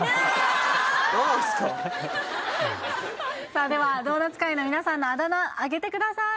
さあではドーナツ会員の皆さんのあだ名あげてください